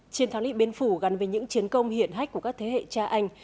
chiến thắng lị biến phủ gắn với những chiến công hiện hách của các thế hệ cha anh